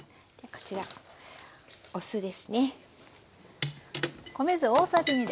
こちらお酢ですね。